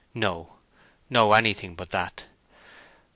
No, no; anything but that.